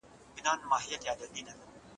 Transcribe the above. افغانان د جګړې لپاره چمتو و